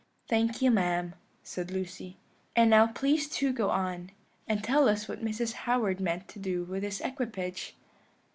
"Thank you, ma'am," said Lucy; "and now please to go on, and tell us what Mrs. Howard meant to do with this equipage."